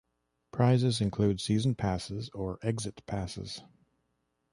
Prizes include season passes or exit passes.